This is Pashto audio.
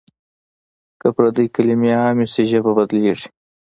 که پردۍ کلمې عامې شي ژبه بدلېږي.